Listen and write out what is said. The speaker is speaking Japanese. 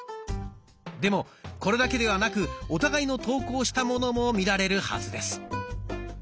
でもこれだけではなくお互いの投稿したものも見られるはずです。